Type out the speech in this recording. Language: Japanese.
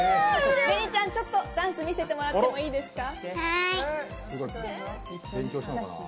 べにちゃん、ちょっとダンス見せてもらってもいいですか？